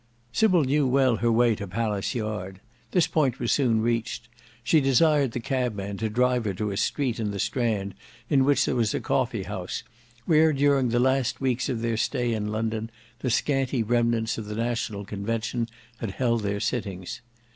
Sybil knew well her way to Palace Yard. This point was soon reached: she desired the cabman to drive her to a Street in the Strand in which was a coffee house, where during the last weeks of their stay in London the scanty remnants of the National Convention had held their sittings.